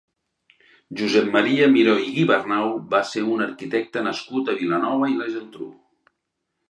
Josep Maria Miró i Guibernau va ser un arquitecte nascut a Vilanova i la Geltrú.